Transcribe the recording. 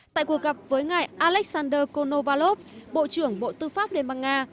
tại cuộc gặp với ngài alexander konovalov bộ trưởng bộ tư pháp đề bằng nga